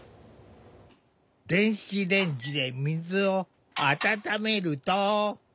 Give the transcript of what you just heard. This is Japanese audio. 電子レンジで水を温めると。